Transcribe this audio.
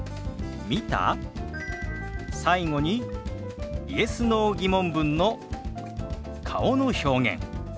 最後にＹｅｓ／Ｎｏ−疑問文の顔の表現。